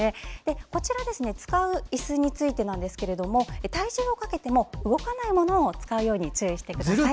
こちら、使ういすについてですが体重をかけても動かないものを使うように注意してください。